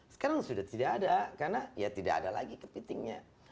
sekarang sudah tidak ada karena ya tidak ada lagi kepitingnya